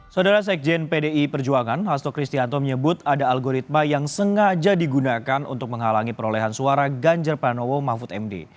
saudara sekjen pdi perjuangan hasto kristianto menyebut ada algoritma yang sengaja digunakan untuk menghalangi perolehan suara ganjar pranowo mahfud md